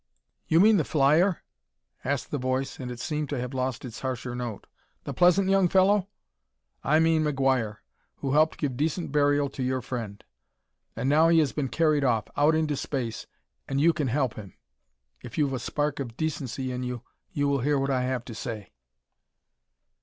"You mean the flyer?" asked the voice, and it seemed to have lost its harsher note. "The pleasant young fellow?" "I mean McGuire, who helped give decent burial to your friend. And now he has been carried off out into space and you can help him. If you've a spark of decency in you, you will hear what I have to say."